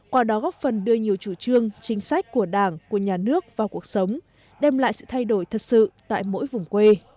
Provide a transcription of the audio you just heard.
qua đó góp phần đưa nhiều chủ trương chính sách của đảng của nhà nước vào cuộc sống đem lại sự thay đổi thật sự tại mỗi vùng quê